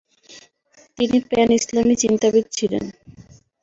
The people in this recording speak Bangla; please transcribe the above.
তিনি প্যান ইসলামি চিন্তাবিদ ছিলেন।